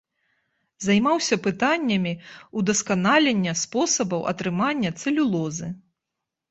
Займаўся пытаннямі ўдасканалення спосабаў атрымання цэлюлозы.